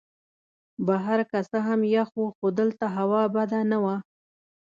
بهر که څه هم یخ وو خو دلته هوا بده نه وه.